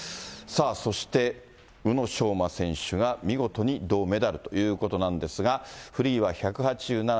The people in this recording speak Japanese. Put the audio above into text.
さあ、そして、宇野昌磨選手が見事に銅メダルということなんですが、フリーは１８７．１０。